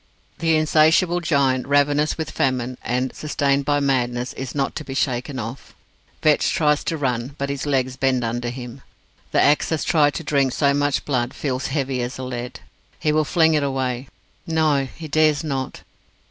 The insatiable giant, ravenous with famine, and sustained by madness, is not to be shaken off. Vetch tries to run, but his legs bend under him. The axe that has tried to drink so much blood feels heavy as lead. He will fling it away. No he dares not.